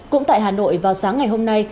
cũng tại hà nội vào sáng ngày hôm nay